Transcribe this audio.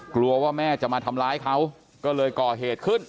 กลัวว่าแม่จะมาทำร้ายเขาก็เลยก่อเหตุขึ้น